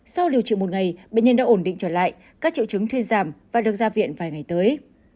sau điều trị một ngày bệnh nhân đã ổn định trở lại các triệu chứng thuyên giảm và được ra viện vài ngày tới